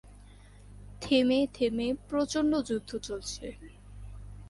থেমে থেমে প্রচণ্ড যুদ্ধ চলছে।